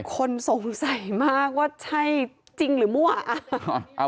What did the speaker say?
คนสงสัยมากว่าใช่จริงหรือมั่ว